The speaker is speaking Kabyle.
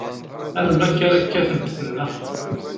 Ar melmi akka ara kkatent nneḥ?